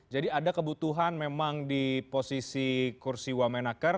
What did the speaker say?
jadi ada kebutuhan memang di posisi kursi wamenaker